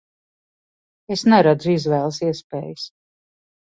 Es neredzu izvēles iespējas.